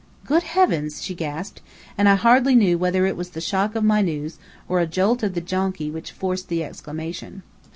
"Good heavens!" she gasped: and I hardly knew whether it was the shock of my news, or a jolt of the donkey which forced the exclamation.